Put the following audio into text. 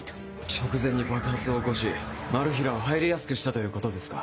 直前に爆発を起こしマル被らを入りやすくしたということですか？